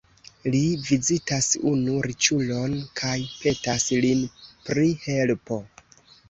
Li vizitas unu riĉulon kaj petas lin pri helpo.